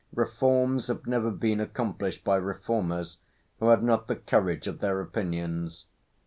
Reforms have never been accomplished by Reformers who had not the courage of their opinions.